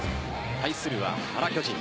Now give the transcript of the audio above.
対するは原巨人。